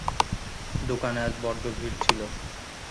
দোকানে আজ বড্ড ভিড় ছিল।